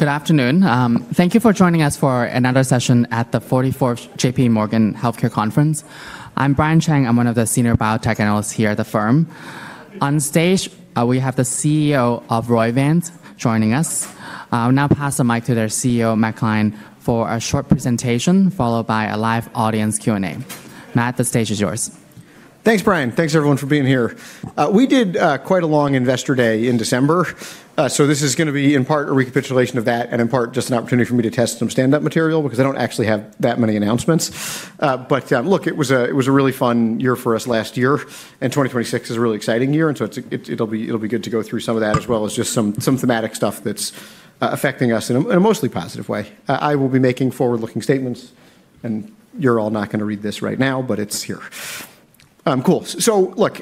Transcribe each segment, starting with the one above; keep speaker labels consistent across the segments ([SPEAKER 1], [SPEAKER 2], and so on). [SPEAKER 1] Good afternoon. Thank you for joining us for another session at the 44th JPMorgan Healthcare Conference. I'm Brian Cheng. I'm one of the senior biotech analysts here at the firm. On stage, we have the CEO of Roivant joining us. I'll now pass the mic to their CEO, Matt Gline, for a short presentation, followed by a live audience Q&A. Matt, the stage is yours.
[SPEAKER 2] Thanks, Brian. Thanks, everyone, for being here. We did quite a long Investor Day in December. So this is going to be, in part, a recapitulation of that, and in part, just an opportunity for me to test some stand-up material, because I don't actually have that many announcements. But look, it was a really fun year for us last year. And 2026 is a really exciting year. And so it'll be good to go through some of that, as well as just some thematic stuff that's affecting us in a mostly positive way. I will be making forward-looking statements. And you're all not going to read this right now, but it's here. Cool. So look,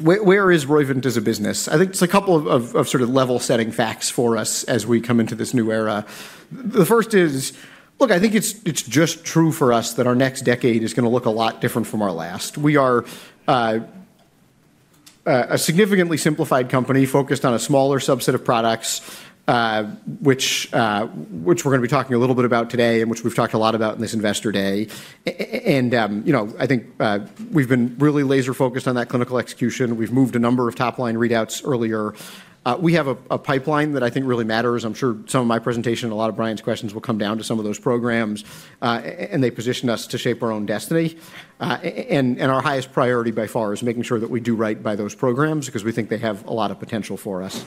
[SPEAKER 2] where is Roivant as a business? I think it's a couple of sort of level-setting facts for us as we come into this new era. The first is, look, I think it's just true for us that our next decade is going to look a lot different from our last. We are a significantly simplified company focused on a smaller subset of products, which we're going to be talking a little bit about today, and which we've talked a lot about in this Investor Day. And I think we've been really laser-focused on that clinical execution. We've moved a number of top-line readouts earlier. We have a pipeline that I think really matters. I'm sure some of my presentation and a lot of Brian's questions will come down to some of those programs. And they position us to shape our own destiny. And our highest priority by far is making sure that we do right by those programs, because we think they have a lot of potential for us.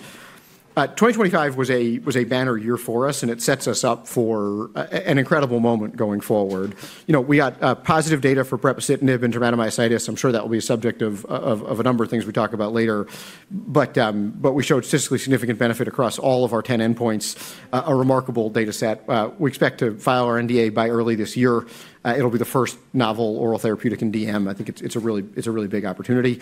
[SPEAKER 2] 2025 was a banner year for us. It sets us up for an incredible moment going forward. We got positive data for brepocitinib and dermatomyositis. I'm sure that will be a subject of a number of things we talk about later. We showed statistically significant benefit across all of our 10 endpoints, a remarkable data set. We expect to file our NDA by early this year. It'll be the first novel oral therapeutic in DM. I think it's a really big opportunity.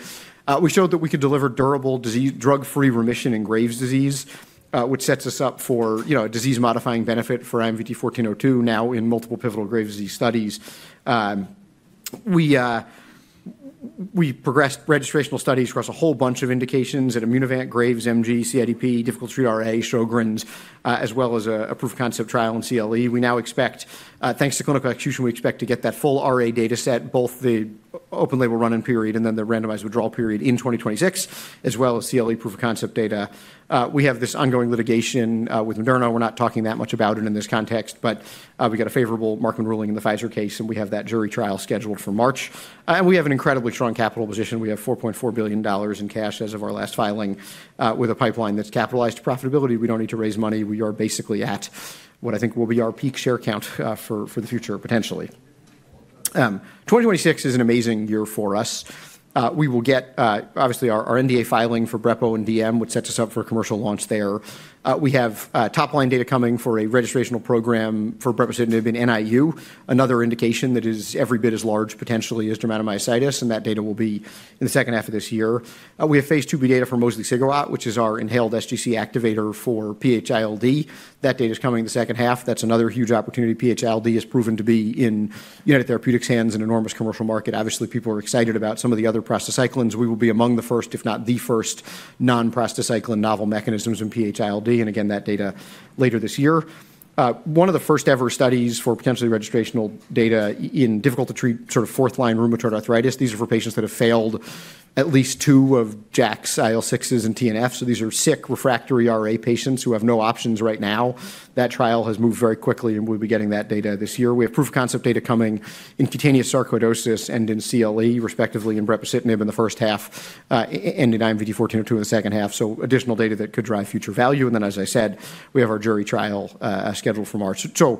[SPEAKER 2] We showed that we could deliver durable, drug-free remission in Graves' disease, which sets us up for a disease-modifying benefit for IMVT-1402, now in multiple pivotal Graves' disease studies. We progressed registrational studies across a whole bunch of indications: Immunovant, Graves, MG, CIDP, difficult-to-treat RA, Sjogren's, as well as a proof-of-concept trial in CLE. We now expect, thanks to clinical execution, we expect to get that full RA data set, both the open-label run-in period and then the randomized withdrawal period in 2026, as well as CLE proof-of-concept data. We have this ongoing litigation with Moderna. We're not talking that much about it in this context. We got a favorable Markman ruling in the Pfizer case. We have that jury trial scheduled for March. We have an incredibly strong capital position. We have $4.4 billion in cash as of our last filing, with a pipeline that's capitalized to profitability. We don't need to raise money. We are basically at what I think will be our peak share count for the future, potentially. 2026 is an amazing year for us. We will get, obviously, our NDA filing for Brepo and DM, which sets us up for a commercial launch there. We have top-line data coming for a registrational program for brepocitinib in NIU, another indication that is every bit as large, potentially, as dermatomyositis. And that data will be in the second half of this year. We have phase II-B data for mosliciguat, which is our inhaled SGC activator for PH-ILD. That data is coming in the second half. That's another huge opportunity. PH-ILD has proven to be in United Therapeutics' hands an enormous commercial market. Obviously, people are excited about some of the other prostacyclins. We will be among the first, if not the first, non-prostacyclin novel mechanisms in PH-ILD. And again, that data later this year. One of the first-ever studies for potentially registrational data in difficult-to-treat sort of fourth-line rheumatoid arthritis. These are for patients that have failed at least two of JAKs, IL-6s, and TNFs. These are sick, refractory RA patients who have no options right now. That trial has moved very quickly. And we'll be getting that data this year. We have proof-of-concept data coming in cutaneous sarcoidosis and in CLE, respectively, in brepocitinib in the first half and in IMVT-1402 in the second half. So additional data that could drive future value. And then, as I said, we have our jury trial scheduled for March. So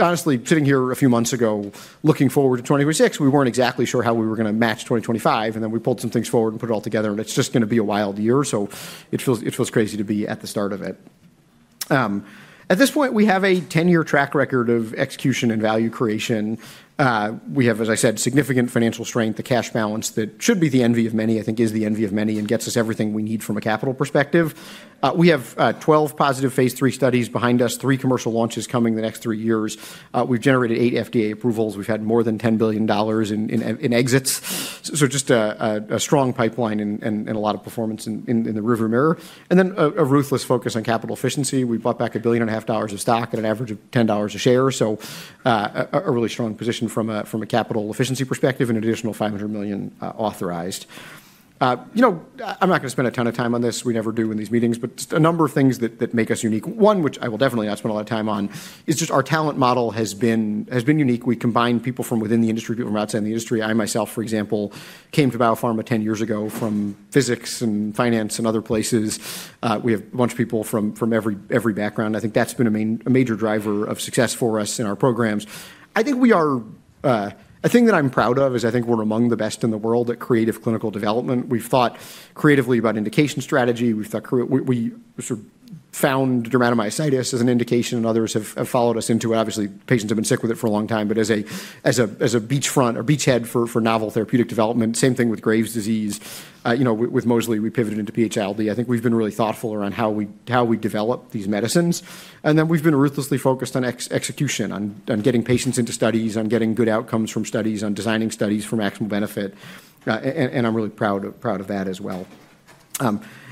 [SPEAKER 2] honestly, sitting here a few months ago, looking forward to 2026, we weren't exactly sure how we were going to match 2025. And then we pulled some things forward and put it all together. And it's just going to be a wild year. So it feels crazy to be at the start of it. At this point, we have a 10-year track record of execution and value creation. We have, as I said, significant financial strength. The cash balance that should be the envy of many, I think, is the envy of many and gets us everything we need from a capital perspective. We have 12 positive phase III studies behind us, three commercial launches coming in the next three years. We've generated eight FDA approvals. We've had more than $10 billion in exits, so just a strong pipeline and a lot of performance in the rearview mirror, and then a ruthless focus on capital efficiency. We bought back $1.5 billion of stock at an average of $10 a share, so a really strong position from a capital efficiency perspective and an additional $500 million authorized. I'm not going to spend a ton of time on this. We never do in these meetings, but just a number of things that make us unique. One, which I will definitely not spend a lot of time on, is just our talent model has been unique. We combine people from within the industry, people from outside the industry. I myself, for example, came to biopharma 10 years ago from physics and finance and other places. We have a bunch of people from every background. I think that's been a major driver of success for us in our programs. I think we are a thing that I'm proud of is I think we're among the best in the world at creative clinical development. We've thought creatively about indication strategy. We sort of found dermatomyositis as an indication, and others have followed us into it. Obviously, patients have been sick with it for a long time, but as a beachfront or beachhead for novel therapeutic development, same thing with Graves' disease. With mosliciguat, we pivoted into PH-ILD. I think we've been really thoughtful around how we develop these medicines. And then we've been ruthlessly focused on execution, on getting patients into studies, on getting good outcomes from studies, on designing studies for maximum benefit. And I'm really proud of that as well.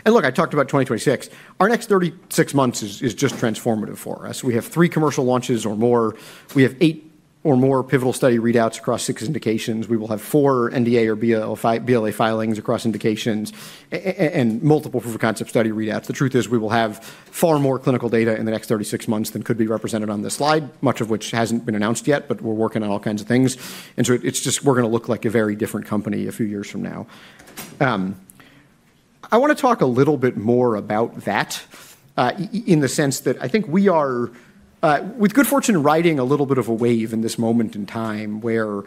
[SPEAKER 2] And look, I talked about 2026. Our next 36 months is just transformative for us. We have three commercial launches or more. We have eight or more pivotal study readouts across six indications. We will have four NDA or BLA filings across indications and multiple proof-of-concept study readouts. The truth is, we will have far more clinical data in the next 36 months than could be represented on this slide, much of which hasn't been announced yet. But we're working on all kinds of things. And so it's just we're going to look like a very different company a few years from now. I want to talk a little bit more about that in the sense that I think we are, with good fortune, riding a little bit of a wave in this moment in time where,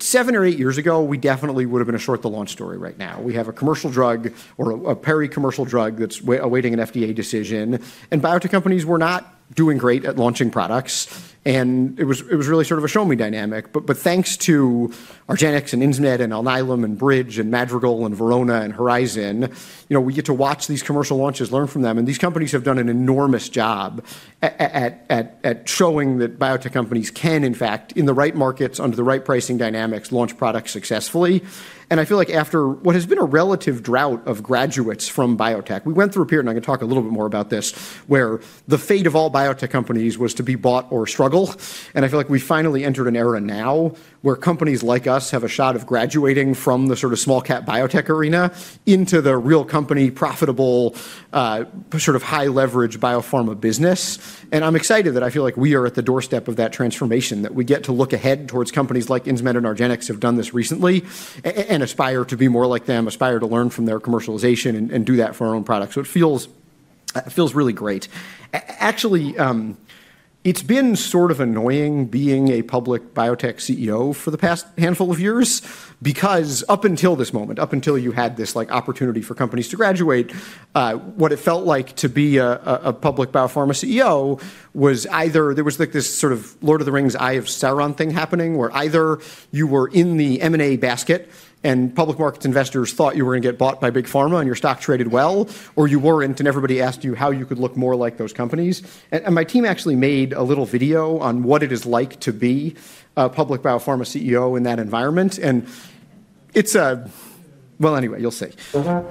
[SPEAKER 2] seven or eight years ago, we definitely would have been a short-the-launch story right now. We have a commercial drug or a pre-commercial drug that's awaiting an FDA decision, and biotech companies were not doing great at launching products, and it was really sort of a show-me dynamic, but thanks to Argenx and Insmed and Alnylam and BridgeBio and Madrigal and Verona and Horizon, we get to watch these commercial launches, learn from them, and these companies have done an enormous job at showing that biotech companies can, in fact, in the right markets, under the right pricing dynamics, launch products successfully. And I feel like after what has been a relative drought of graduates from biotech, we went through a period, and I can talk a little bit more about this, where the fate of all biotech companies was to be bought or struggle. And I feel like we finally entered an era now where companies like us have a shot of graduating from the sort of small-cap biotech arena into the real company, profitable, sort of high-leverage biopharma business. And I'm excited that I feel like we are at the doorstep of that transformation, that we get to look ahead towards companies like Insmed and Argenx have done this recently and aspire to be more like them, aspire to learn from their commercialization and do that for our own products. So it feels really great. Actually, it's been sort of annoying being a public biotech CEO for the past handful of years, because up until this moment, up until you had this opportunity for companies to graduate, what it felt like to be a public biopharma CEO was either there was this sort of Lord of the Rings Eye of Sauron thing happening, where either you were in the M&A basket and public markets investors thought you were going to get bought by Big Pharma and your stock traded well, or you weren't, and everybody asked you how you could look more like those companies, and my team actually made a little video on what it is like to be a public biopharma CEO in that environment, and it's, well, anyway, you'll see. Come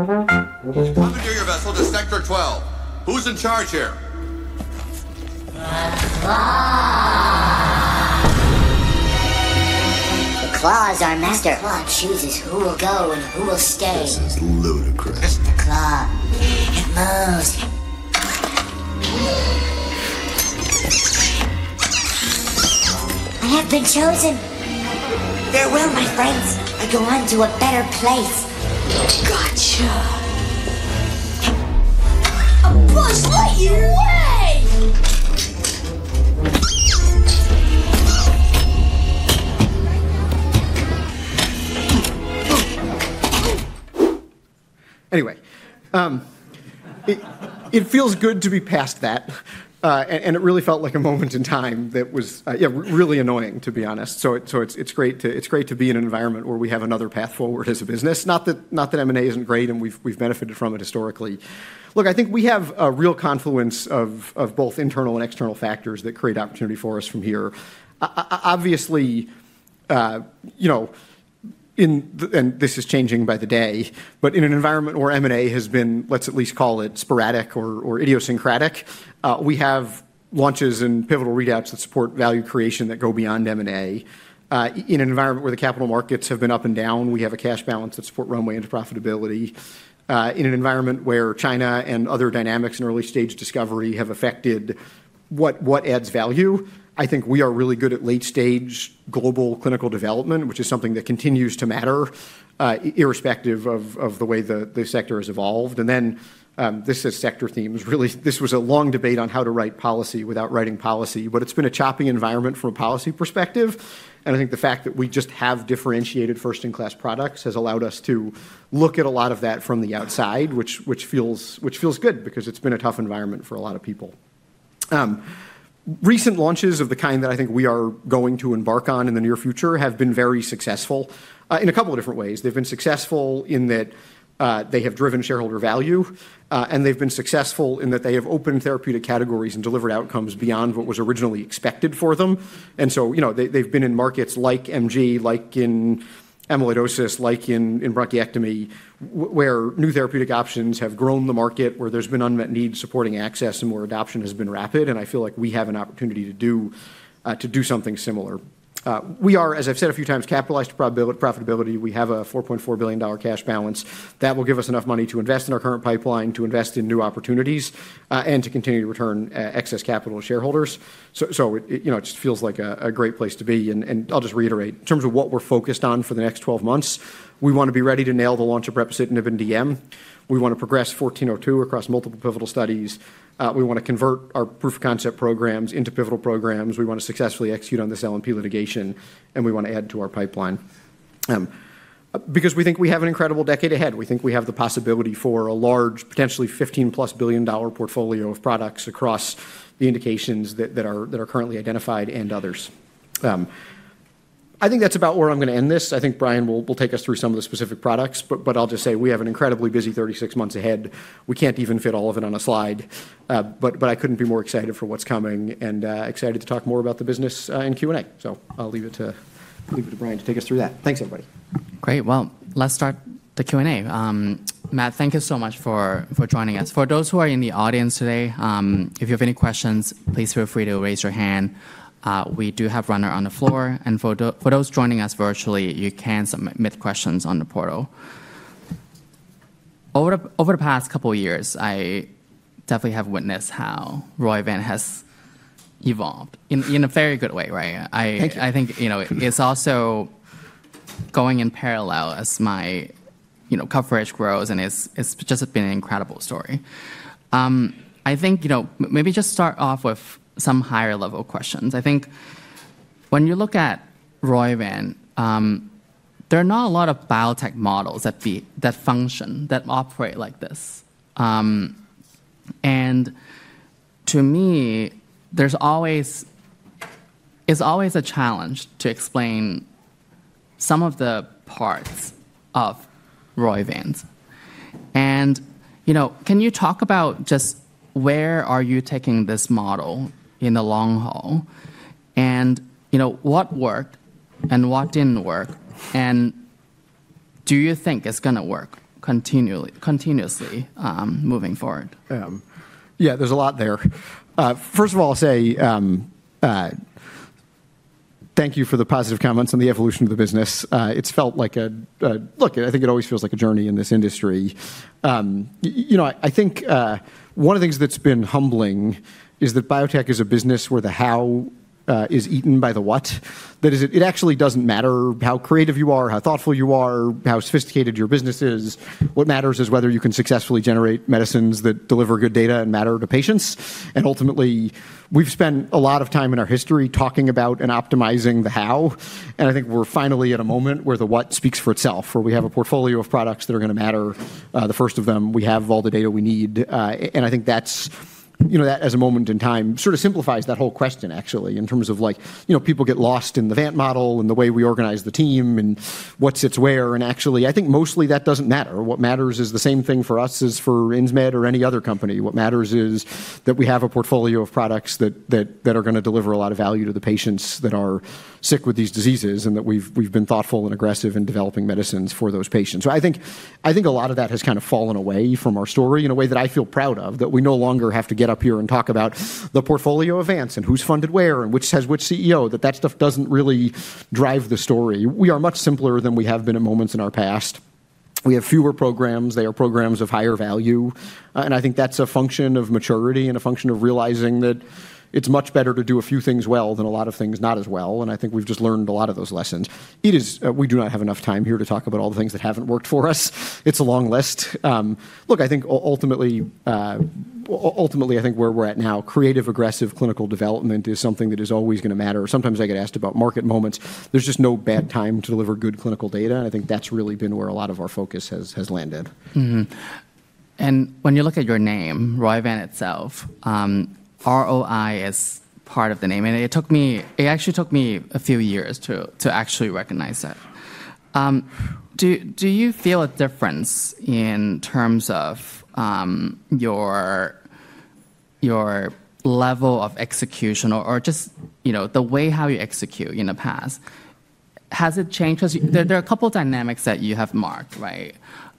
[SPEAKER 2] and do your vessel to Sector 12. Who's in charge here? The Claw! The Claw is our master. Claw chooses who will go and who will stay. This is ludicrous. Mr. Claw, it moves. I have been chosen. Farewell, my friends. I go on to a better place. Gotcha. A Buzz Lightyear! Way! Anyway, it feels good to be past that. And it really felt like a moment in time that was really annoying, to be honest. So it's great to be in an environment where we have another path forward as a business. Not that M&A isn't great, and we've benefited from it historically. Look, I think we have a real confluence of both internal and external factors that create opportunity for us from here. Obviously, and this is changing by the day, but in an environment where M&A has been, let's at least call it, sporadic or idiosyncratic, we have launches and pivotal readouts that support value creation that go beyond M&A. In an environment where the capital markets have been up and down, we have a cash balance that support runway into profitability. In an environment where China and other dynamics in early-stage discovery have affected what adds value, I think we are really good at late-stage global clinical development, which is something that continues to matter irrespective of the way the sector has evolved. And then this is sector themes, really. This was a long debate on how to write policy without writing policy. But it's been a choppy environment from a policy perspective. And I think the fact that we just have differentiated first-in-class products has allowed us to look at a lot of that from the outside, which feels good, because it's been a tough environment for a lot of people. Recent launches of the kind that I think we are going to embark on in the near future have been very successful in a couple of different ways. They've been successful in that they have driven shareholder value. They've been successful in that they have opened therapeutic categories and delivered outcomes beyond what was originally expected for them. So they've been in markets like MG, like in amyloidosis, like in bronchiectasis, where new therapeutic options have grown the market, where there's been unmet needs supporting access, and where adoption has been rapid. I feel like we have an opportunity to do something similar. We are, as I've said a few times, capitalized to profitability. We have a $4.4 billion cash balance. That will give us enough money to invest in our current pipeline, to invest in new opportunities, and to continue to return excess capital to shareholders. It just feels like a great place to be. I'll just reiterate, in terms of what we're focused on for the next 12 months, we want to be ready to nail the launch of brepocitinib in DM. We want to progress 1402 across multiple pivotal studies. We want to convert our proof-of-concept programs into pivotal programs. We want to successfully execute on this LNP litigation. We want to add to our pipeline, because we think we have an incredible decade ahead. We think we have the possibility for a large, potentially $15-plus billion portfolio of products across the indications that are currently identified and others. I think that's about where I'm going to end this. I think Brian will take us through some of the specific products. But I'll just say we have an incredibly busy 36 months ahead. We can't even fit all of it on a slide. But I couldn't be more excited for what's coming and excited to talk more about the business in Q&A. So I'll leave it to Brian to take us through that. Thanks, everybody.
[SPEAKER 1] Great. Let's start the Q&A. Matt, thank you so much for joining us. For those who are in the audience today, if you have any questions, please feel free to raise your hand. We do have runner on the floor. For those joining us virtually, you can submit questions on the portal. Over the past couple of years, I definitely have witnessed how Roivant has evolved in a very good way. I think it's also going in parallel as my coverage grows. It's just been an incredible story. I think maybe just start off with some higher-level questions. I think when you look at Roivant, there are not a lot of biotech models that function, that operate like this. To me, there's always a challenge to explain some of the parts of Roivant. Can you talk about just where are you taking this model in the long haul? What worked and what didn't work? Do you think it's going to work continuously moving forward?
[SPEAKER 2] Yeah, there's a lot there. First of all, I'll say thank you for the positive comments on the evolution of the business. It's felt like a look, I think it always feels like a journey in this industry. I think one of the things that's been humbling is that biotech is a business where the how is eaten by the what. That is, it actually doesn't matter how creative you are, how thoughtful you are, how sophisticated your business is. What matters is whether you can successfully generate medicines that deliver good data and matter to patients. And ultimately, we've spent a lot of time in our history talking about and optimizing the how. And I think we're finally at a moment where the what speaks for itself, where we have a portfolio of products that are going to matter. The first of them, we have all the data we need. And I think that, as a moment in time, sort of simplifies that whole question, actually, in terms of people get lost in the Vant model and the way we organize the team and what sits where. And actually, I think mostly that doesn't matter. What matters is the same thing for us as for Insmed or any other company. What matters is that we have a portfolio of products that are going to deliver a lot of value to the patients that are sick with these diseases and that we've been thoughtful and aggressive in developing medicines for those patients. So I think a lot of that has kind of fallen away from our story in a way that I feel proud of, that we no longer have to get up here and talk about the portfolio of Vants and who's funded where and which has which CEO, that that stuff doesn't really drive the story. We are much simpler than we have been at moments in our past. We have fewer programs. They are programs of higher value. And I think that's a function of maturity and a function of realizing that it's much better to do a few things well than a lot of things not as well. And I think we've just learned a lot of those lessons. We do not have enough time here to talk about all the things that haven't worked for us. It's a long list. Look, I think ultimately, I think where we're at now, creative, aggressive clinical development is something that is always going to matter. Sometimes I get asked about market moments. There's just no bad time to deliver good clinical data, and I think that's really been where a lot of our focus has landed.
[SPEAKER 1] And when you look at your name, Roivant itself, ROI is part of the name. And it actually took me a few years to actually recognize that. Do you feel a difference in terms of your level of execution or just the way how you execute in the past? Has it changed? Because there are a couple of dynamics that you have marked, right?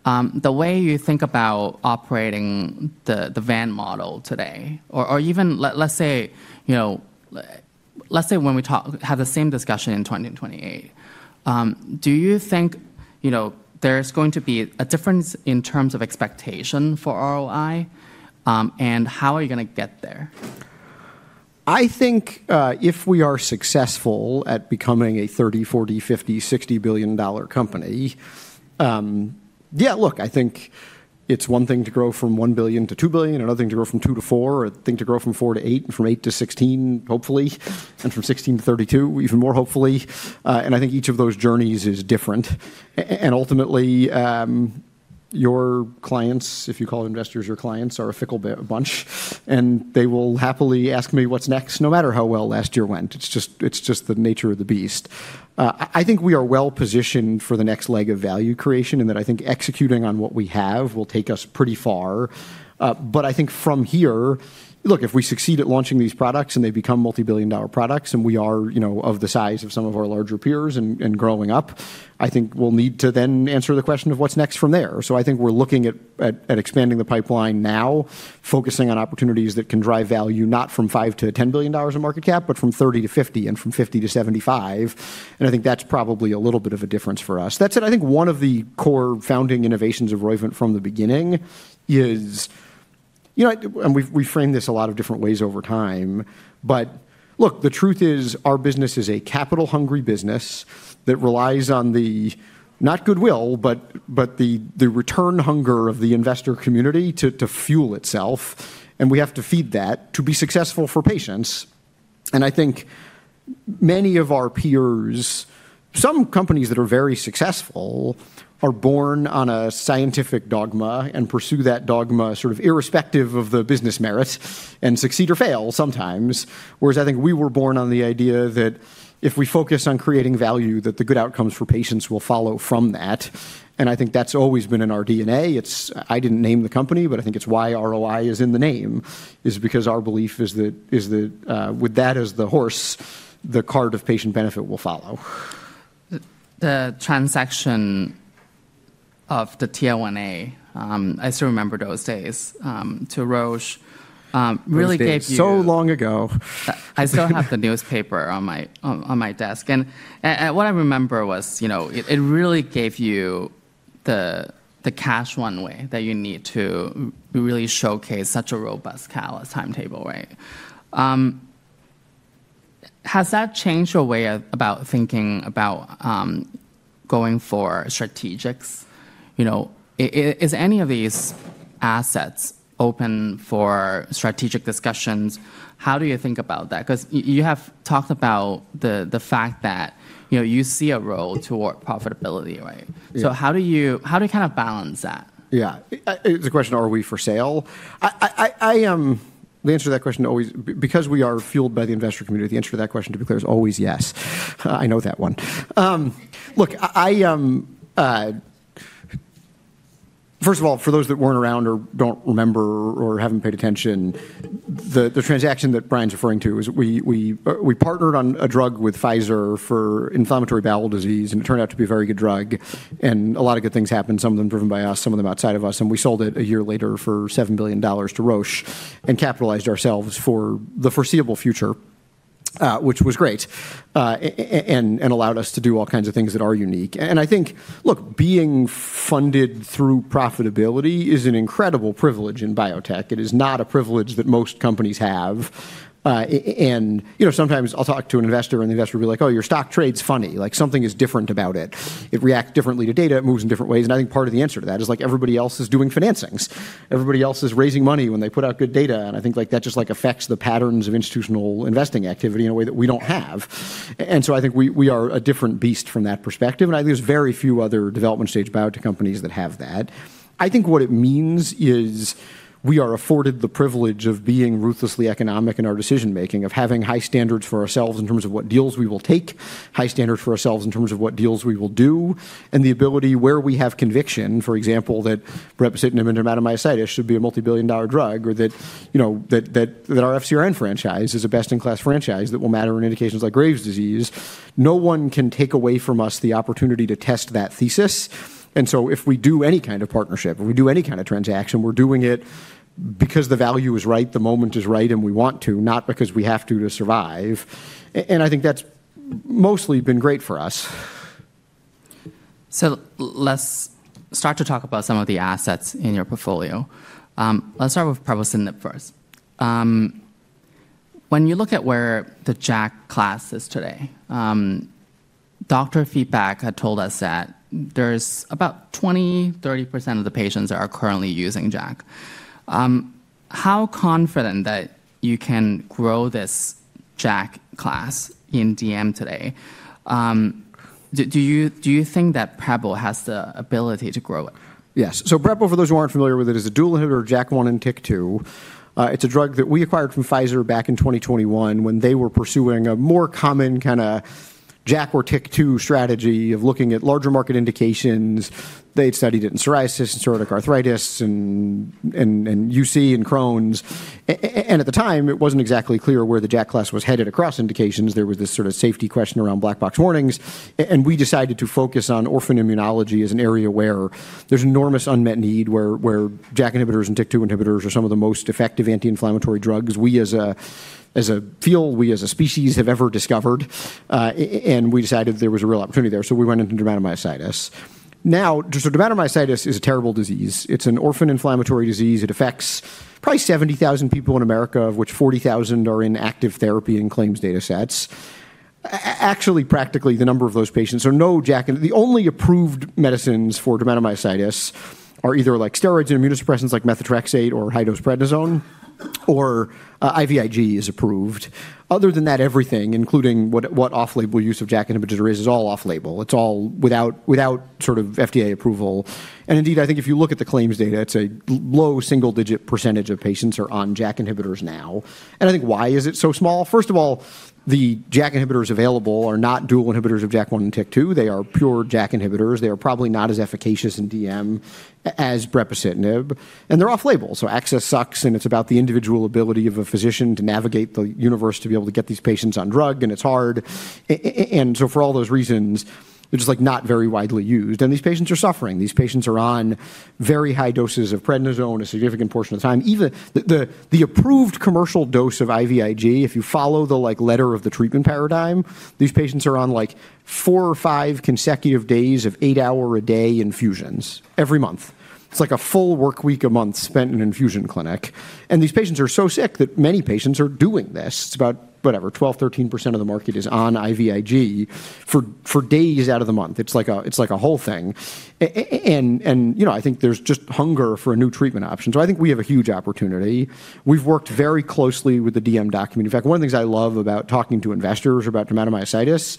[SPEAKER 1] The way you think about operating the Vant model today, or even, let's say, when we have the same discussion in 2028, do you think there's going to be a difference in terms of expectation for ROI? And how are you going to get there?
[SPEAKER 2] I think if we are successful at becoming a $30, $40, $50, $60 billion company, yeah, look, I think it's one thing to grow from $1 billion to $2 billion, another thing to grow from $2 to $4, a thing to grow from $4 to $8, and from $8 to $16, hopefully, and from $16 to $32, even more hopefully, and I think each of those journeys is different, and ultimately, your clients, if you call it investors, your clients are a fickle bunch, and they will happily ask me what's next, no matter how well last year went. It's just the nature of the beast. I think we are well positioned for the next leg of value creation and that I think executing on what we have will take us pretty far. But I think from here, look, if we succeed at launching these products and they become multi-billion dollar products and we are of the size of some of our larger peers and growing up, I think we'll need to then answer the question of what's next from there. So I think we're looking at expanding the pipeline now, focusing on opportunities that can drive value, not from $5-$10 billion in market cap, but from $30-$50 and from $50-$75. And I think that's probably a little bit of a difference for us. That said, I think one of the core founding innovations of Roivant from the beginning is, and we've framed this a lot of different ways over time. But look, the truth is our business is a capital-hungry business that relies on the, not goodwill, but the return hunger of the investor community to fuel itself. And we have to feed that to be successful for patients. And I think many of our peers, some companies that are very successful, are born on a scientific dogma and pursue that dogma sort of irrespective of the business merits and succeed or fail sometimes. Whereas I think we were born on the idea that if we focus on creating value, that the good outcomes for patients will follow from that. And I think that's always been in our DNA. I didn't name the company, but I think it's why ROI is in the name, is because our belief is that with that as the horse, the cart of patient benefit will follow.
[SPEAKER 1] The transaction of the Telavant, I still remember those days, to Roche really gave you.
[SPEAKER 2] It's so long ago.
[SPEAKER 1] I still have the newspaper on my desk. What I remember was it really gave you the cash runway that you need to really showcase such a robust clinical timetable, right? Has that changed your way of thinking about going for strategics? Is any of these assets open for strategic discussions? How do you think about that? Because you have talked about the fact that you see a path toward profitability, right? How do you kind of balance that?
[SPEAKER 2] Yeah. It's a question, are we for sale? The answer to that question, because we are fueled by the investor community, the answer to that question, to be clear, is always yes. I know that one. Look, first of all, for those that weren't around or don't remember or haven't paid attention, the transaction that Brian's referring to is we partnered on a drug with Pfizer for inflammatory bowel disease. And it turned out to be a very good drug. And a lot of good things happened, some of them driven by us, some of them outside of us. And we sold it a year later for $7 billion to Roche and capitalized ourselves for the foreseeable future, which was great and allowed us to do all kinds of things that are unique. And I think, look, being funded through profitability is an incredible privilege in biotech. It is not a privilege that most companies have. And sometimes I'll talk to an investor, and the investor will be like, oh, your stock trade's funny. Something is different about it. It reacts differently to data. It moves in different ways. And I think part of the answer to that is everybody else is doing financings. Everybody else is raising money when they put out good data. And I think that just affects the patterns of institutional investing activity in a way that we don't have. And so I think we are a different beast from that perspective. And I think there's very few other development stage biotech companies that have that. I think what it means is we are afforded the privilege of being ruthlessly economic in our decision-making, of having high standards for ourselves in terms of what deals we will take, high standards for ourselves in terms of what deals we will do, and the ability where we have conviction, for example, that brepocitinib and dermatomyositis should be a multi-billion dollar drug, or that our FcRn franchise is a best-in-class franchise that will matter in indications like Graves' disease. No one can take away from us the opportunity to test that thesis. And so if we do any kind of partnership, if we do any kind of transaction, we're doing it because the value is right, the moment is right, and we want to, not because we have to to survive. And I think that's mostly been great for us.
[SPEAKER 1] So let's start to talk about some of the assets in your portfolio. Let's start with brepocitinib first. When you look at where the JAK class is today, doctor feedback had told us that there's about 20%-30% of the patients that are currently using JAK. How confident that you can grow this JAK class in DM today? Do you think that brepocitinib has the ability to grow it?
[SPEAKER 2] Yes. So brepocitinib, for those who aren't familiar with it, is a dual hitter JAK1 and TYK2. It's a drug that we acquired from Pfizer back in 2021 when they were pursuing a more common kind of JAK or TYK2 strategy of looking at larger market indications. They'd studied it in psoriasis and psoriatic arthritis and UC and Crohn's. And at the time, it wasn't exactly clear where the JAK class was headed across indications. There was this sort of safety question around black box warnings. And we decided to focus on orphan immunology as an area where there's enormous unmet need, where JAK inhibitors and TYK2 inhibitors are some of the most effective anti-inflammatory drugs we as a field, we as a species have ever discovered. And we decided there was a real opportunity there. So we went into dermatomyositis. Now, so dermatomyositis is a terrible disease. It's an orphan inflammatory disease. It affects probably 70,000 people in America, of which 40,000 are in active therapy and claims data sets. Actually, practically, the number of those patients are no JAK. The only approved medicines for dermatomyositis are either like steroids and immunosuppressants like methotrexate or high-dose prednisone, or IVIG is approved. Other than that, everything, including what off-label use of JAK inhibitors, is all off-label. It's all without sort of FDA approval. And indeed, I think if you look at the claims data, it's a low single-digit % of patients are on JAK inhibitors now. And I think why is it so small? First of all, the JAK inhibitors available are not dual inhibitors of JAK1 and TYK2. They are pure JAK inhibitors. They are probably not as efficacious in DM as brepocitinib. And they're off-label. So access sucks. It's about the individual ability of a physician to navigate the universe to be able to get these patients on drug. It's hard. For all those reasons, they're just not very widely used. These patients are suffering. These patients are on very high doses of prednisone a significant portion of the time. The approved commercial dose of IVIG, if you follow the letter of the treatment paradigm, these patients are on like four or five consecutive days of eight-hour-a-day infusions every month. It's like a full work week a month spent in an infusion clinic. These patients are so sick that many patients are doing this. It's about, whatever, 12%-13% of the market is on IVIG for days out of the month. It's like a whole thing. I think there's just hunger for a new treatment option. I think we have a huge opportunity. We've worked very closely with the DM document. In fact, one of the things I love about talking to investors about dermatomyositis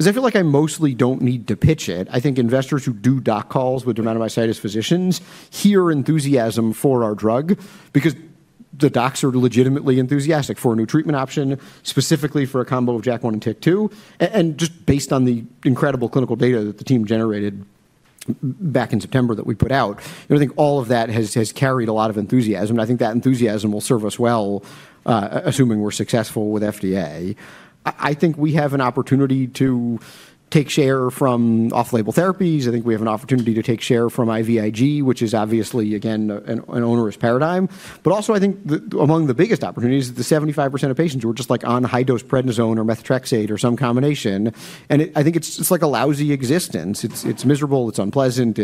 [SPEAKER 2] is I feel like I mostly don't need to pitch it. I think investors who do doc calls with dermatomyositis physicians hear enthusiasm for our drug because the docs are legitimately enthusiastic for a new treatment option, specifically for a combo of JAK1 and TYK2. And just based on the incredible clinical data that the team generated back in September that we put out, I think all of that has carried a lot of enthusiasm. And I think that enthusiasm will serve us well, assuming we're successful with FDA. I think we have an opportunity to take share from off-label therapies. I think we have an opportunity to take share from IVIG, which is obviously, again, an onerous paradigm. But also, I think among the biggest opportunities is the 75% of patients who are just like on high-dose prednisone or methotrexate or some combination. And I think it's like a lousy existence. It's miserable. It's unpleasant.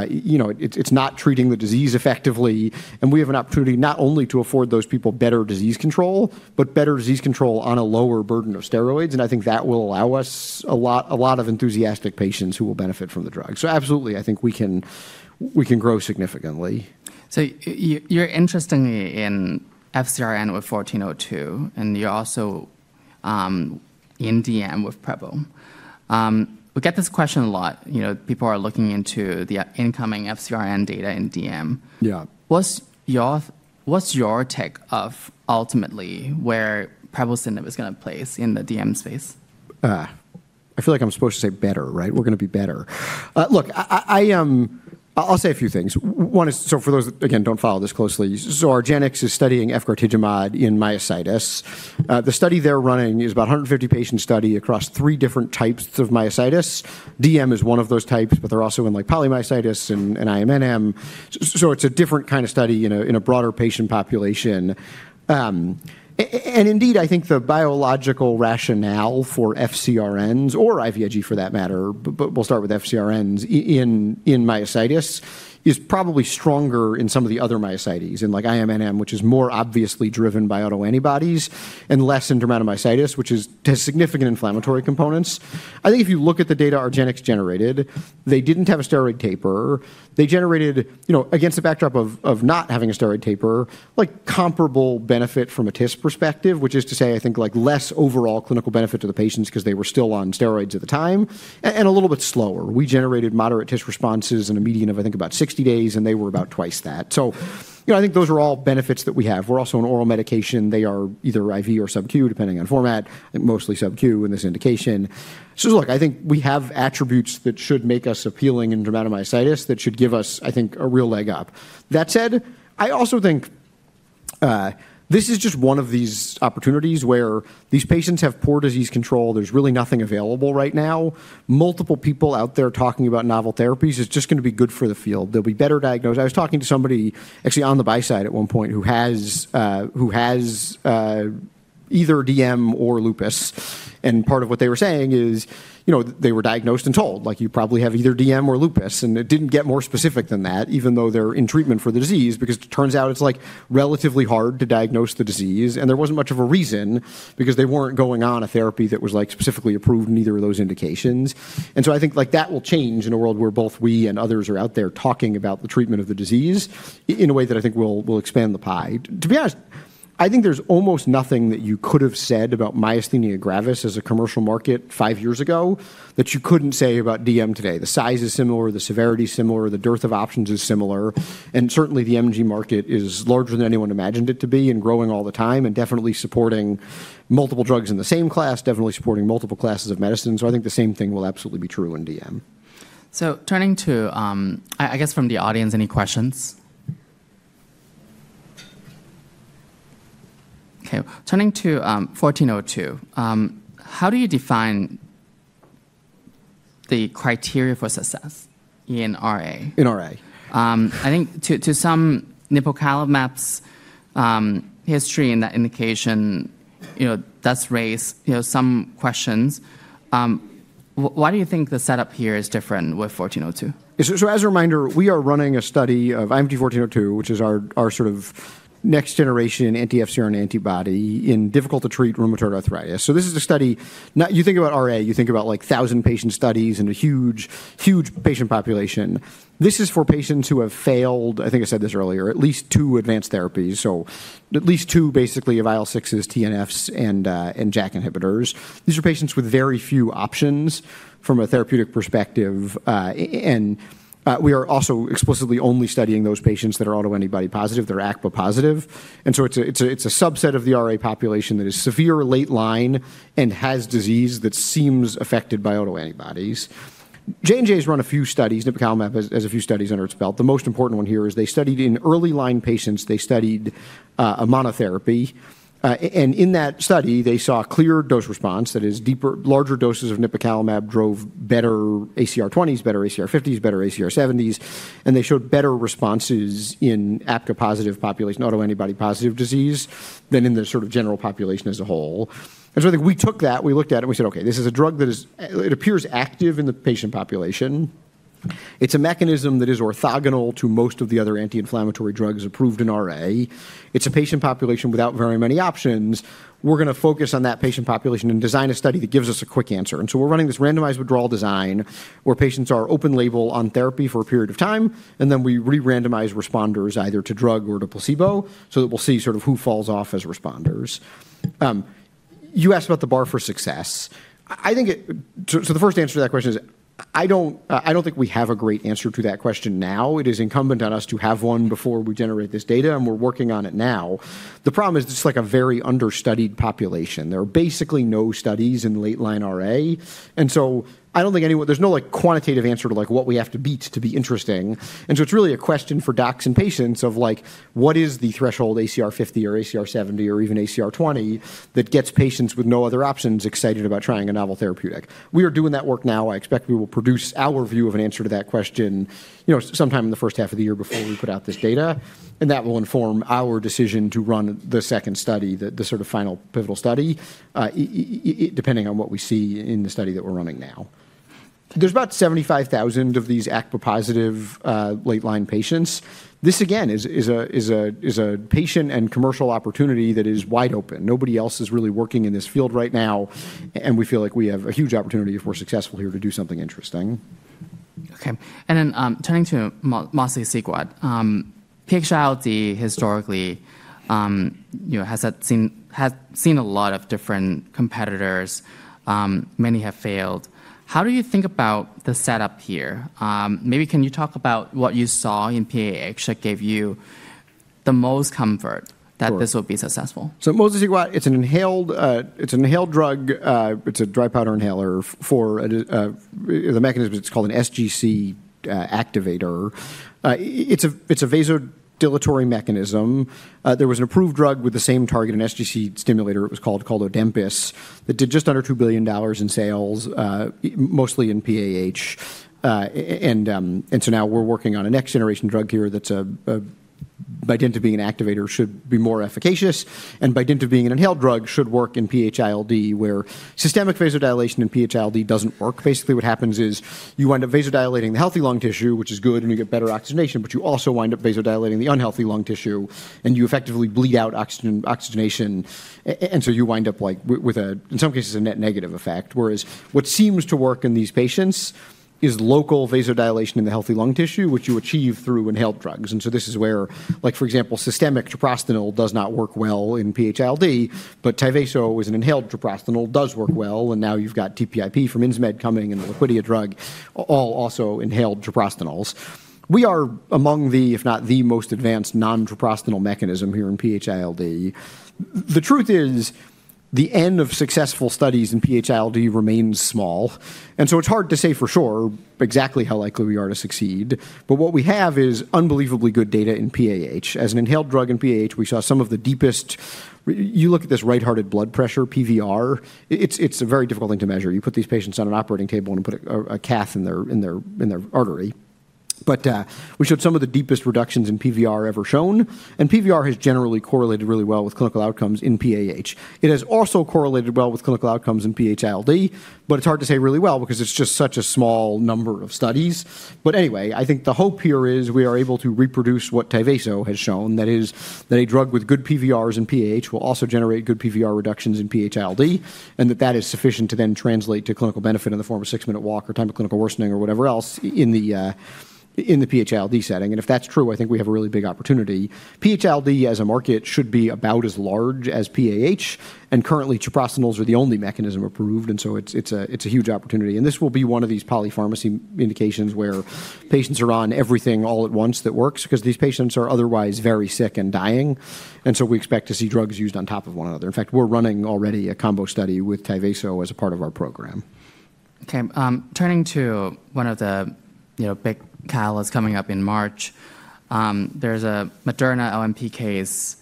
[SPEAKER 2] It's not treating the disease effectively. And we have an opportunity not only to afford those people better disease control, but better disease control on a lower burden of steroids. And I think that will allow us a lot of enthusiastic patients who will benefit from the drug. So absolutely, I think we can grow significantly.
[SPEAKER 1] So you're interestingly in FcRn with IMVT-1402, and you're also in DM with brepocitinib. We get this question a lot. People are looking into the incoming FcRn data in DM.
[SPEAKER 2] Yeah.
[SPEAKER 1] What's your take on ultimately where brepocitinib and it was going to place in the DM space?
[SPEAKER 2] I feel like I'm supposed to say better, right? We're going to be better. Look, I'll say a few things. So for those again, don't follow this closely. So Argenx is studying efgartigimod in myositis. The study they're running is about a 150-patient study across three different types of myositis. DM is one of those types, but they're also in polymyositis and IMNM. So it's a different kind of study in a broader patient population. And indeed, I think the biological rationale for FcRns or IVIg for that matter, but we'll start with FcRns in myositis, is probably stronger in some of the other myositis and like IMNM, which is more obviously driven by autoantibodies and less in dermatomyositis, which has significant inflammatory components. I think if you look at the data Argenx generated, they didn't have a steroid taper. They generated, against the backdrop of not having a steroid taper, like comparable benefit from a TIS perspective, which is to say, I think like less overall clinical benefit to the patients because they were still on steroids at the time and a little bit slower. We generated moderate TIS responses in a median of, I think, about 60 days, and they were about twice that. So I think those are all benefits that we have. We're also an oral medication. They are either IV or subq, depending on format. I think mostly subq in this indication. So look, I think we have attributes that should make us appealing in dermatomyositis that should give us, I think, a real leg up. That said, I also think this is just one of these opportunities where these patients have poor disease control. There's really nothing available right now. Multiple people out there talking about novel therapies is just going to be good for the field. There'll be better diagnosed. I was talking to somebody actually on the buy side at one point who has either DM or lupus. And part of what they were saying is they were diagnosed and told, like you probably have either DM or lupus. And it didn't get more specific than that, even though they're in treatment for the disease, because it turns out it's like relatively hard to diagnose the disease. And there wasn't much of a reason because they weren't going on a therapy that was like specifically approved in either of those indications. And so I think like that will change in a world where both we and others are out there talking about the treatment of the disease in a way that I think will expand the pie. To be honest, I think there's almost nothing that you could have said about myasthenia gravis as a commercial market five years ago that you couldn't say about DM today. The size is similar. The severity is similar. The dearth of options is similar. And certainly, the MG market is larger than anyone imagined it to be and growing all the time and definitely supporting multiple drugs in the same class, definitely supporting multiple classes of medicines. So I think the same thing will absolutely be true in DM.
[SPEAKER 1] So turning to, I guess from the audience, any questions? Okay. Turning to 1402, how do you define the criteria for success in RA?
[SPEAKER 2] In RA.
[SPEAKER 1] I think there's some nipocalimab history in that indication, that's raised some questions. Why do you think the setup here is different with IMVT-1402?
[SPEAKER 2] As a reminder, we are running a study of IMVT-1402, which is our sort of next-generation anti-FcRn antibody in difficult-to-treat rheumatoid arthritis. This is a study you think about RA, you think about like 1,000 patient studies and a huge, huge patient population. This is for patients who have failed, I think I said this earlier, at least two advanced therapies, so at least two basically of IL-6s, TNFs, and JAK inhibitors. These are patients with very few options from a therapeutic perspective. We are also explicitly only studying those patients that are autoantibody positive, that are ACPA positive. It's a subset of the RA population that is severe, late line, and has disease that seems affected by autoantibodies. J&J has run a few studies. Nipocalimab has a few studies under its belt. The most important one here is they studied in early line patients. They studied a monotherapy. And in that study, they saw clear dose response. That is, larger doses of nipocalimab drove better ACR20s, better ACR50s, better ACR70s. And they showed better responses in ACPA-positive population, autoantibody-positive disease than in the sort of general population as a whole. And so I think we took that, we looked at it, and we said, okay, this is a drug that appears active in the patient population. It's a mechanism that is orthogonal to most of the other anti-inflammatory drugs approved in RA. It's a patient population without very many options. We're going to focus on that patient population and design a study that gives us a quick answer. We're running this randomized withdrawal design where patients are open label on therapy for a period of time, and then we re-randomize responders either to drug or to placebo so that we'll see sort of who falls off as responders. You asked about the bar for success. The first answer to that question is I don't think we have a great answer to that question now. It is incumbent on us to have one before we generate this data, and we're working on it now. The problem is it's like a very understudied population. There are basically no studies in late line RA. I don't think there's no quantitative answer to like what we have to beat to be interesting. And so it's really a question for docs and patients of like, what is the threshold ACR50 or ACR70 or even ACR20 that gets patients with no other options excited about trying a novel therapeutic? We are doing that work now. I expect we will produce our view of an answer to that question sometime in the first half of the year before we put out this data. And that will inform our decision to run the second study, the sort of final pivotal study, depending on what we see in the study that we're running now. There's about 75,000 of these ACPA-positive late line patients. This, again, is a patient and commercial opportunity that is wide open. Nobody else is really working in this field right now. And we feel like we have a huge opportunity if we're successful here to do something interesting.
[SPEAKER 1] Okay. And then turning to mosliciguat, PH-ILD historically has seen a lot of different competitors. Many have failed. How do you think about the setup here? Maybe can you talk about what you saw in PAH that gave you the most comfort that this will be successful?
[SPEAKER 2] Mosliciguat, it's an inhaled drug. It's a dry powder inhaler for the mechanism. It's called an SGC activator. It's a vasodilatory mechanism. There was an approved drug with the same target, an SGC stimulator, it was called Adempas that did just under $2 billion in sales, mostly in PAH. Now we're working on a next-generation drug here that's by dint of being an activator should be more efficacious. By dint of being an inhaled drug, should work in PH-ILD where systemic vasodilation in PH-ILD doesn't work. Basically, what happens is you wind up vasodilating the healthy lung tissue, which is good, and you get better oxygenation, but you also wind up vasodilating the unhealthy lung tissue, and you effectively bleed out oxygenation. And so you wind up with, in some cases, a net negative effect, whereas what seems to work in these patients is local vasodilation in the healthy lung tissue, which you achieve through inhaled drugs. And so this is where, for example, systemic treprostinil does not work well in PH-ILD, but Tyvaso is an inhaled treprostinil, does work well. And now you've got TPIP from Insmed coming and the Liquidia drug, all also inhaled treprostinils. We are among the, if not the most advanced non-treprostinil mechanism here in PH-ILD. The truth is the end of successful studies in PH-ILD remains small. And so it's hard to say for sure exactly how likely we are to succeed. But what we have is unbelievably good data in PAH. As an inhaled drug in PAH, we saw some of the deepest you look at this right-hearted blood pressure, PVR. It's a very difficult thing to measure. You put these patients on an operating table and put a cath in their artery, but we showed some of the deepest reductions in PVR ever shown. And PVR has generally correlated really well with clinical outcomes in PAH. It has also correlated well with clinical outcomes in PH-ILD, but it's hard to say really well because it's just such a small number of studies, but anyway, I think the hope here is we are able to reproduce what Tyvaso has shown, that is, that a drug with good PVRs in PAH will also generate good PVR reductions in PH-ILD, and that that is sufficient to then translate to clinical benefit in the form of six-minute walk or time of clinical worsening or whatever else in the PH-ILD setting, and if that's true, I think we have a really big opportunity. PH-ILD as a market should be about as large as PAH. And currently, treprostinils are the only mechanism approved. And so it's a huge opportunity. And this will be one of these polypharmacy indications where patients are on everything all at once that works because these patients are otherwise very sick and dying. And so we expect to see drugs used on top of one another. In fact, we're running already a combo study with Tyvaso as a part of our program.
[SPEAKER 1] Okay. Turning to one of the big calls coming up in March, there's a Moderna LNP case.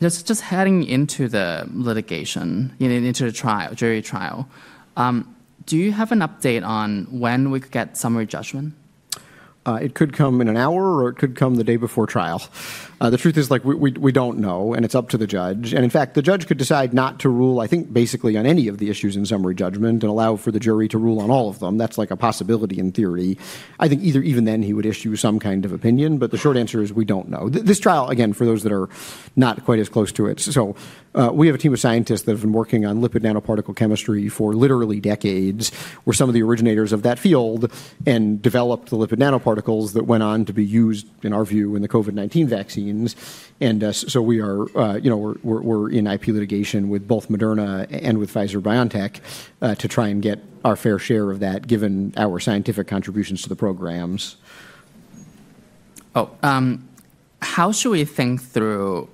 [SPEAKER 1] Just heading into the litigation, into the jury trial, do you have an update on when we could get summary judgment?
[SPEAKER 2] It could come in an hour, or it could come the day before trial. The truth is like we don't know, and it's up to the judge. And in fact, the judge could decide not to rule, I think, basically on any of the issues in summary judgment and allow for the jury to rule on all of them. That's like a possibility in theory. I think even then he would issue some kind of opinion. But the short answer is we don't know. This trial, again, for those that are not quite as close to it. So we have a team of scientists that have been working on lipid nanoparticle chemistry for literally decades. We're some of the originators of that field and developed the lipid nanoparticles that went on to be used, in our view, in the COVID-19 vaccines. And so we're in IP litigation with both Moderna and with Pfizer-BioNTech to try and get our fair share of that given our scientific contributions to the programs.
[SPEAKER 1] Oh. How should we think through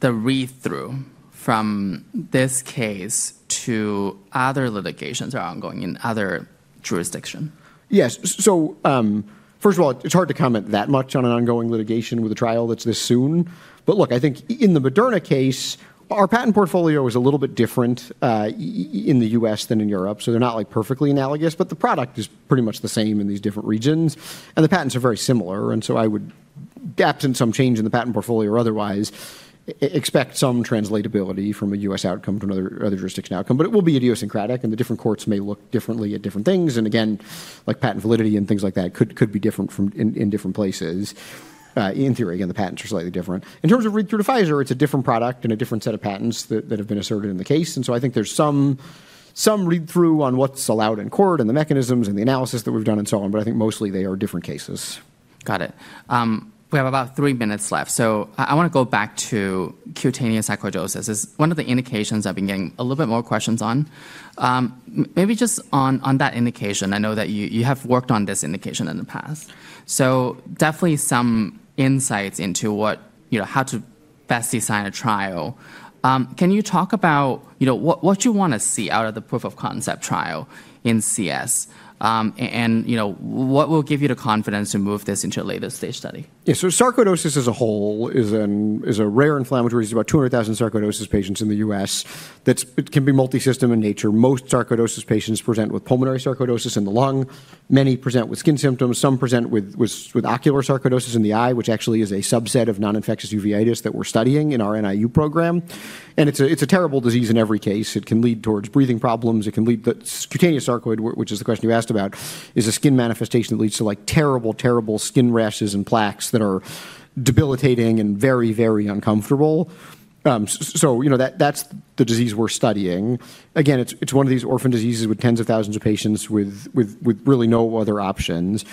[SPEAKER 1] the read-through from this case to other litigations that are ongoing in other jurisdictions?
[SPEAKER 2] Yes. So first of all, it's hard to comment that much on an ongoing litigation with a trial that's this soon. But look, I think in the Moderna case, our patent portfolio is a little bit different in the U.S. than in Europe. So they're not like perfectly analogous, but the product is pretty much the same in these different regions. And the patents are very similar. And so I would, absent some change in the patent portfolio or otherwise, expect some translatability from a U.S. outcome to another jurisdiction outcome. But it will be idiosyncratic, and the different courts may look differently at different things. And again, like patent validity and things like that could be different in different places. In theory, again, the patents are slightly different. In terms of read-through to Pfizer, it's a different product and a different set of patents that have been asserted in the case. And so I think there's some read-through on what's allowed in court and the mechanisms and the analysis that we've done and so on. But I think mostly they are different cases.
[SPEAKER 1] Got it. We have about three minutes left. So I want to go back to cutaneous sarcoidosis. It's one of the indications I've been getting a little bit more questions on. Maybe just on that indication, I know that you have worked on this indication in the past. So definitely some insights into how to best design a trial. Can you talk about what you want to see out of the proof of concept trial in CS? And what will give you the confidence to move this into a later stage study?
[SPEAKER 2] Yeah. Sarcoidosis as a whole is a rare inflammatory disease. About 200,000 sarcoidosis patients in the U.S. that can be multi-system in nature. Most sarcoidosis patients present with pulmonary sarcoidosis in the lung. Many present with skin symptoms. Some present with ocular sarcoidosis in the eye, which actually is a subset of non-infectious uveitis that we're studying in our NIU program. It's a terrible disease in every case. It can lead towards breathing problems. It can lead to that cutaneous sarcoidosis, which is the question you asked about, is a skin manifestation that leads to like terrible, terrible skin rashes and plaques that are debilitating and very, very uncomfortable. That's the disease we're studying. Again, it's one of these orphan diseases with tens of thousands of patients with really no other options.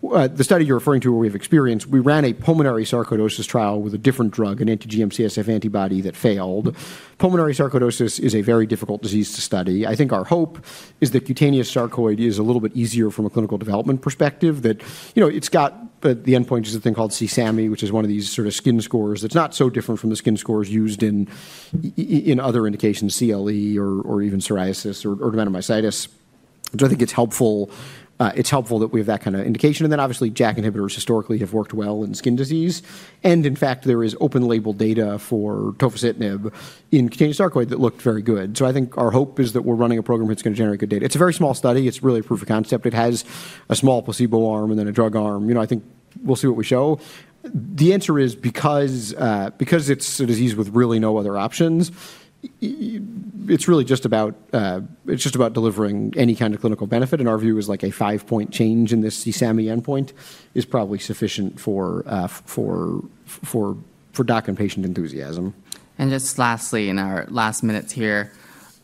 [SPEAKER 2] The study you're referring to, where we have experience, we ran a pulmonary sarcoidosis trial with a different drug, an anti-GM-CSF antibody that failed. Pulmonary sarcoidosis is a very difficult disease to study. I think our hope is that cutaneous sarcoidosis is a little bit easier from a clinical development perspective, that it's got the endpoint is a thing called CSAMI, which is one of these sort of skin scores that's not so different from the skin scores used in other indications, CLE or even psoriasis or dermatomyositis. So I think it's helpful that we have that kind of indication. And then obviously, JAK inhibitors historically have worked well in skin disease. And in fact, there is open label data for tofacitinib in cutaneous sarcoidosis that looked very good. So I think our hope is that we're running a program that's going to generate good data. It's a very small study. It's really a proof of concept. It has a small placebo arm and then a drug arm. I think we'll see what we show. The answer is because it's a disease with really no other options, it's really just about delivering any kind of clinical benefit, and our view is like a five-point change in this CSAMI endpoint is probably sufficient for doc and patient enthusiasm.
[SPEAKER 1] Just lastly, in our last minutes here,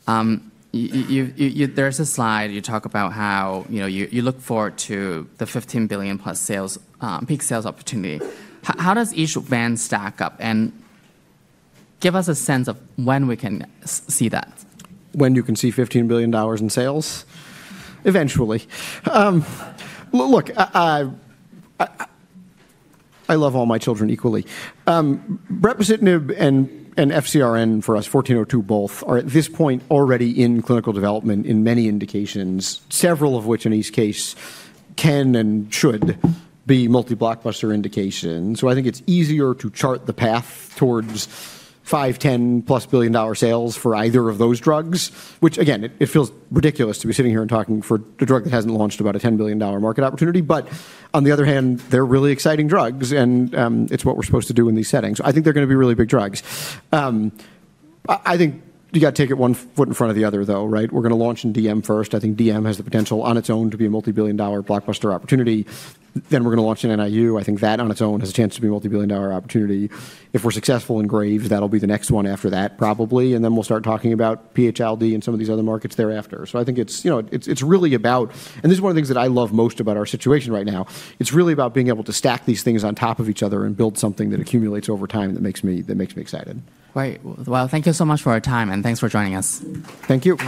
[SPEAKER 1] there's a slide you talk about how you look forward to the $15 billion-plus sales, peak sales opportunity. How does each Vant stack up? And give us a sense of when we can see that.
[SPEAKER 2] When you can see $15 billion in sales? Eventually. Look, I love all my children equally. brepocitinib and FcRn for us, 1402 both, are at this point already in clinical development in many indications, several of which in each case can and should be multi-blockbuster indications. So I think it's easier to chart the path towards $5, $10 plus billion sales for either of those drugs, which again, it feels ridiculous to be sitting here and talking for a drug that hasn't launched about a $10 billion market opportunity. But on the other hand, they're really exciting drugs, and it's what we're supposed to do in these settings. I think they're going to be really big drugs. I think you got to take it one foot in front of the other, though, right? We're going to launch in DM first. I think DM has the potential on its own to be a multi-billion dollar blockbuster opportunity. Then we're going to launch in NIU. I think that on its own has a chance to be a multi-billion dollar opportunity. If we're successful in Graves', that'll be the next one after that, probably. And then we'll start talking about PH-ILD and some of these other markets thereafter. So I think it's really about, and this is one of the things that I love most about our situation right now. It's really about being able to stack these things on top of each other and build something that accumulates over time that makes me excited.
[SPEAKER 1] Right. Well, thank you so much for your time, and thanks for joining us.
[SPEAKER 2] Thank you.